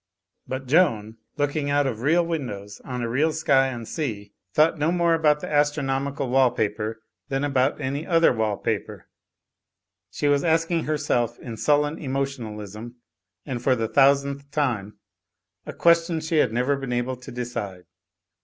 But Joan, looking out of real windows on a real Digitized by CjOOQ IC 2o6 THE FLYING INN sky and sea, thought no more about the astronomical wall paper than about any other wall paper. She was asking herself in sullen emotionalism, and for the thousandth time, a question she had never been able to decide.